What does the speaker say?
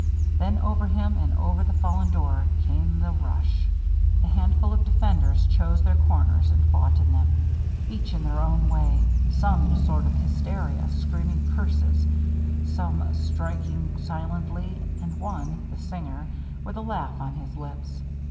Then over him and over the fallen door came the rush. The handful of defenders chose their corners and fought in them, each in his own way; some in a sort of hysteria, screaming curses, some striking silently, and one, the singer, with a laugh on his lips.